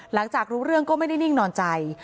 หลังจากรู้เรื่องก็ไม่ได้นิ่งนอนใจ